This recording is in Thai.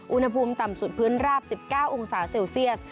อุณหภูมิต่ำสุดพื้นราบ๑๙องศาเซลเซียส